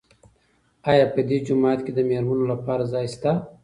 آیا په دې جومات کې د مېرمنو لپاره ځای شته؟